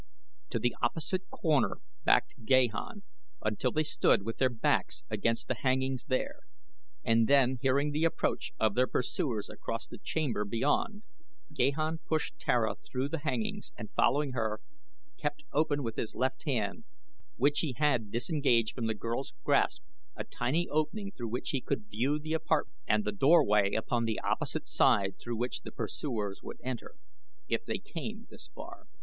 To the opposite corner backed Gahan until they stood with their backs against the hangings there, and then hearing the approach of their pursuers across the chamber beyond Gahan pushed Tara through the hangings and, following her, kept open with his left hand, which he had disengaged from the girl's grasp, a tiny opening through which he could view the apartment and the doorway upon the opposite side through which the pursuers would enter, if they came this far.